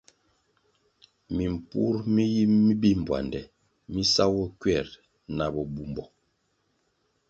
Mimpur mi yi bimbpuande mi sawoh kuer na bo bumbo.